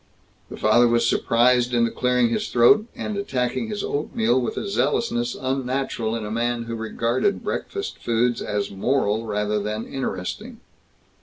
The father was surprised into clearing his throat, and attacking his oatmeal with a zealousness unnatural in a man who regarded breakfast foods as moral rather than interesting.